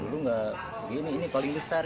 dulu nggak gini ini paling besar